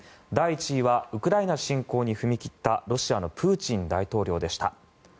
第１位はウクライナ侵攻に踏み切ったロシアのプーチン大統領でした。